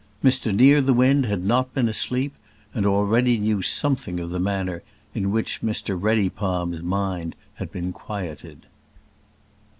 Mr Nearthewinde had not been asleep, and already knew something of the manner in which Mr Reddypalm's mind had been quieted.